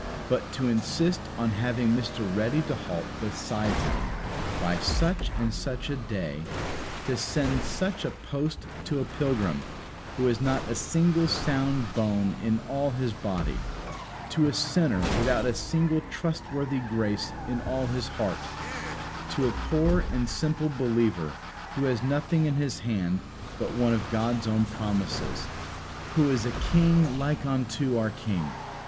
But to insist on having Mr. Ready to halt beside Him by such and such a day; to send such a post to a pilgrim who has not a single sound bone in all his body; to a sinner without a single trustworthy grace in all his heart; to a poor and simple believer who has nothing in his hand but one of God's own promises Who is a king like unto our King?